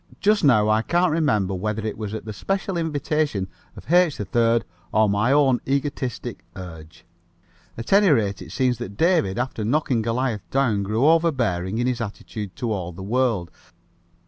Just now I can't remember whether it was at the special invitation of H. 3rd or my own egotistic urge. At any rate, it seems that David, after knocking Goliath down, grew overbearing in his attitude to all the world.